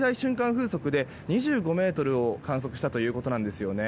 風速で２５メートルを観測したということです。